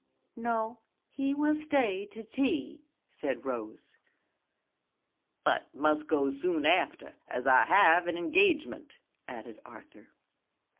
"No, he will stay to tea," said Rose. "But must go soon after, as I have an engagement," added Arthur.